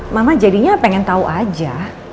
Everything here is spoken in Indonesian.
mama jadinya pengen tahu aja